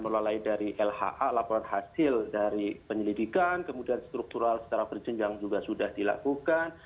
mulai dari lha laporan hasil dari penyelidikan kemudian struktural secara berjenjang juga sudah dilakukan